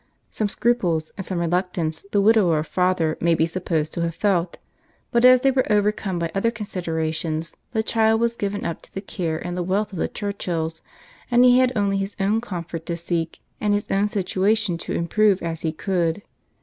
Some scruples and some reluctance the widower father may be supposed to have felt; but as they were overcome by other considerations, the child was given up to the care and the wealth of the Churchills, and he had only his own comfort to seek, and his own situation to improve as he could.